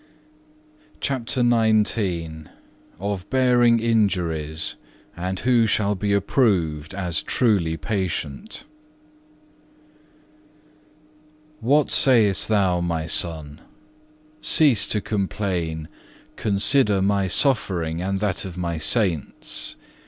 CHAPTER XIX Of bearing injuries, and who shall be approved as truly patient "What sayest thou, My Son? Cease to complain; consider My suffering and that of My saints.